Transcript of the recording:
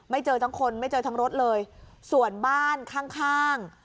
เจอทั้งคนไม่เจอทั้งรถเลยส่วนบ้านข้างข้าง